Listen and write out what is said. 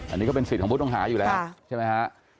อันนี้ก็เป็นสิทธิ์ของผู้ต้องหาอยู่แล้วใช่ไหมฮะ